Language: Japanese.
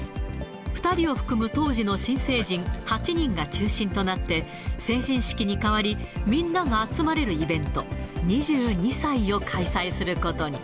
２人を含む当時の新成人８人が中心となって、成人式に代わり、みんなが集まれるイベント、２２祭を開催することに。